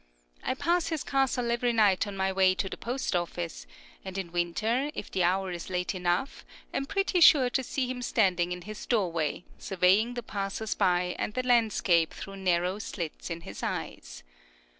I pass his castle every night on my way to the post office, and in winter, if the hour is late enough, am pretty sure to see him standing in his doorway, surveying the passers by and the landscape through narrow slits in his eyes.